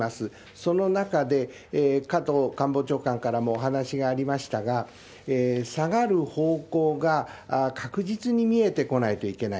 その中で、加藤官房長官からもお話がありましたが、下がる方向が確実に見えてこないといけない。